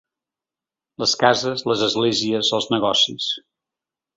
Les cases, les esglésies, els negocis.